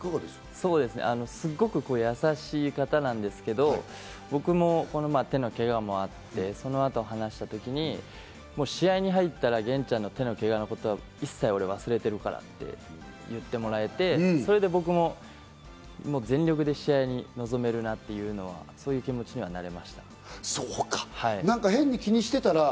すっごくやさしい方なんですけど、僕も手のけがもあって、そのあと話した時に試合に入ったら、ゲンちゃんの手のけがのことは俺一切忘れてるからって言ってもらえて、それで僕も全力で試合に臨めるなっていうのは、そういう気持ちにはなれました。